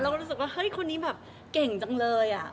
ก็รู้สึกว่าเฮ้ยคนนี้แบบเก่งจังเลย